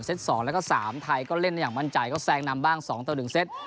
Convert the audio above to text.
เซตสองแล้วก็สามไทยก็เล่นอย่างมั่นใจก็แซงนำบ้างสองต่อหนึ่งเซต